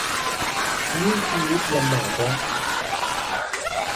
นี่ชีวิตลำบากละ